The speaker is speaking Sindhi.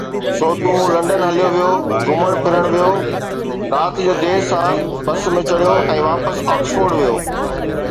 سو تون لنڊن هليو ويو، گهمڻ ڦرڻ ويو، رات جو دير سان بس ۾ چڙهيو ۽ واپس آڪسفورڊ ويو.